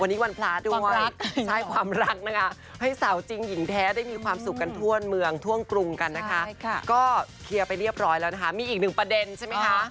วันนี้วันพระด้วยใช่ความรักนะคะให้สาวจริงหญิงแท้ได้มีความสุขกันทั่วเมืองทั่วกรุงกันนะคะก็เคลียร์ไปเรียบร้อยแล้วนะคะมีอีกหนึ่งประเด็นใช่ไหมคะ